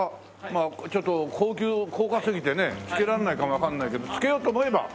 まあちょっと高級高価すぎてね付けられないかもわかんないけど付けようと思えば。